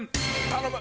頼む！